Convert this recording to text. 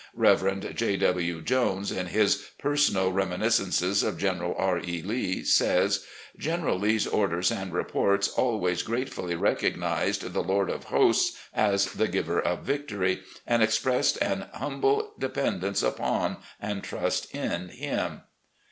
Reverend J. W. Jones, in his " Personal Reminis cences of General R. E. Lee," says: "General Lee's orders and reports always gratefully recognised ' The Lord of Hosts ' as the ' Giver of Victory, ' and expressed an humble dependence upon and trust in Him."